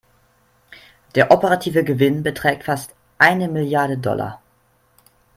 Der operative Gewinn beträgt fast eine Milliarde Dollar.